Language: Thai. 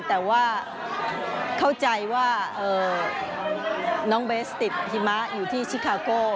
แต่ว่าเข้าใจว่าน้องเบสติดหิมะอยู่ที่ชิคาโก้